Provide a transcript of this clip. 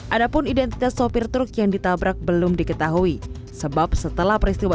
ada pun identitas sopir truk yang ditabrak belum diketahui sebab setelah peristiwa